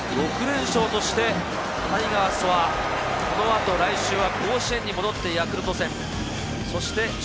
タイガースが６連勝として、タイガースはこのあと来週は、甲子園に戻ってヤクルト戦。